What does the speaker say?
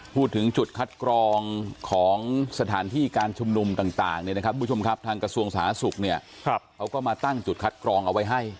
พูดถึงจุดคัดกรองของสถานที่การชุมนุมต่างทางกระทรวงศาสุขเขาก็มาตั้งจุดคัดกรองเอาไว้ให้